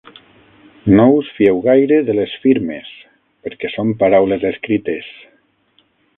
No us fieu gaire de les firmes perquè són paraules escrites